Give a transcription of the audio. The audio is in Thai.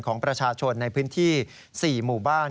ของประชาชนในพื้นที่๔หมู่บ้าน